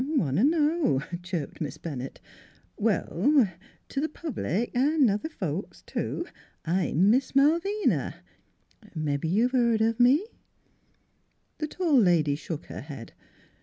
"I want t' know!" chirped Miss Bennett. " Well, t' th' public, an' other folks too, I'm Miss Malvina. Mebbe you've heared o' me." The tall lady shook her head.